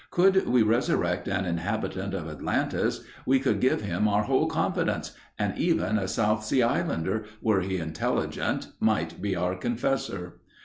Could we resurrect an inhabitant of Atlantis we could give him our whole confidence and even a South Sea Islander, were he intelligent, might be our confessor.